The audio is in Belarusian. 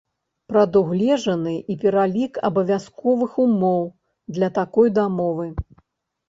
Прадугледжаны і пералік абавязковых умоў для такой дамовы.